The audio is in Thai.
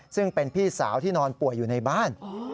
ซึ่งเป็นพี่สาวที่นอนป่วยอยู่ในบ้าน